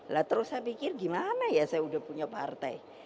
lalu saya pikir gimana ya saya udah punya partai